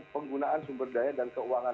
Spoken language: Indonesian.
penggunaan sumber daya dan keuangan